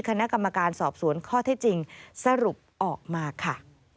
คณะกรรมการสอบสวนข้อที่จริงสรุปออกมาค่ะ